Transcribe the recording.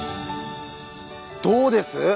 どうです？